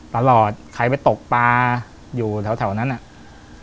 ตลอดใครไปตกปลาอยู่แถวนั้นน่ะ